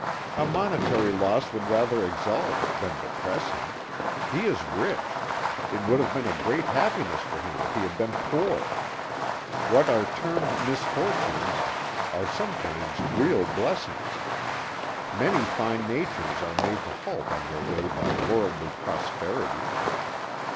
"A monetary loss would rather exalt than depress him. He is rich it would have been a great happiness for him if he had been poor. What are termed misfortunes are sometimes real blessings; many fine natures are made to halt on their way by worldly prosperity.